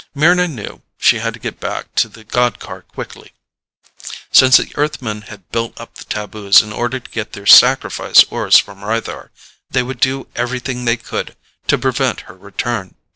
Mryna knew she had to get back to the god car quickly. Since the Earthmen had built up the taboos in order to get their sacrifice ores from Rythar, they would do everything they could to prevent her return.